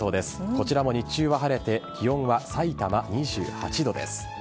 こちらも日中は晴れて気温はさいたま２８度です。